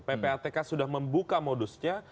ppatk sudah membuka modusnya